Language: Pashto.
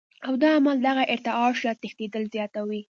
او دا عمل دغه ارتعاش يا تښنېدل زياتوي